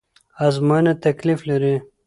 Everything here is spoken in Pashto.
ازموينه تکليف لري